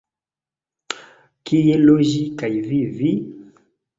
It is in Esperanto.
Kie loĝi kaj vivi?